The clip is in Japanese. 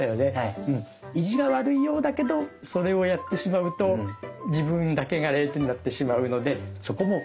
意地が悪いようだけどそれをやってしまうと自分だけが０点になってしまうのでそこも気をつけよう。